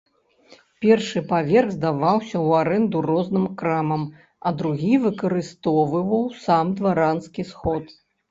Першы паверх здаваўся ў арэнду розным крамам, а другі выкарыстоўваў сам дваранскі сход.